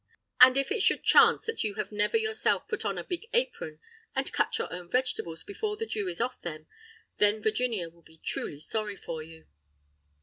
And if it should chance that you have never yourself put on a big apron, and cut your own vegetables before the dew is off them, then Virginia will be truly sorry for you.